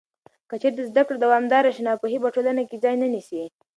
که چېرته زده کړه دوامداره شي، ناپوهي په ټولنه کې ځای نه نیسي.